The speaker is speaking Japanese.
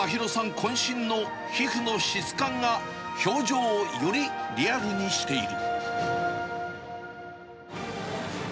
こん身の皮膚の質感が、表情をよりリアルにしている。